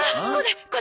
これ！